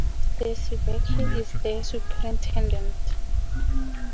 Stacy Buckley is the superintendent.